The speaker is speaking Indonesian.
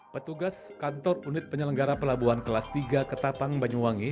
petugas kantor unit penyelenggara pelabuhan kelas tiga ketapang banyuwangi